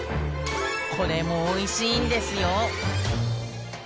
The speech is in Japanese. これもおいしいんですよ！